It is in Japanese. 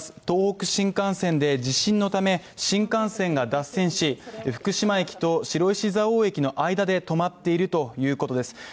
東北新幹線で地震のため新幹線が脱線し、福島駅と白石蔵王駅の間で止まっているということです。